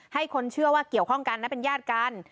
ให้คนเชื่อว่าเกี่ยวข้องกันและเป็นญาติกัน